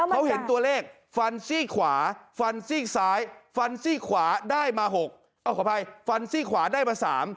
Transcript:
เขาเห็นตัวเลขฟันซี่ขวาฟันซี่ซ้ายฟันซี่ขวาได้มา๓